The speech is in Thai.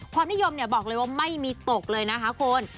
ความนิยมบอกเลยว่าไม่มีตกเลยนะคะคุณ